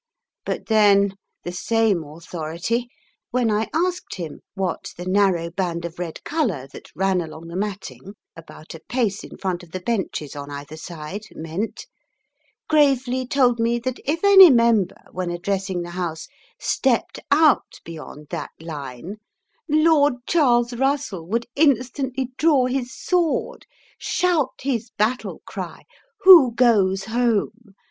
But then the same authority, when I asked him what the narrow band of red colour that ran along the matting about a pace in front of the benches on either side meant, gravely told me that if any member when addressing the House stepped out beyond that line, Lord Charles Russell would instantly draw his sword, shout his battle cry, "Who goes Home!"